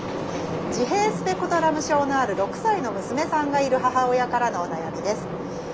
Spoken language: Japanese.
自閉スペクトラム症のある６歳の娘さんがいる母親からのお悩みです。